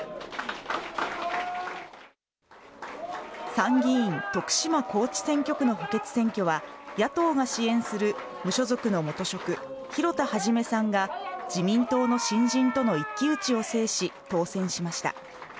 参議院、徳島・高知選挙区の補欠選挙は、野党が支援する無所属の元職・広田一さんが自民党の新人との一騎打ちを制し、当選しました。